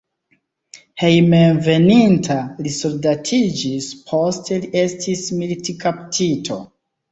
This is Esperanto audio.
Hejmenveninta li soldatiĝis, poste li estis militkaptito.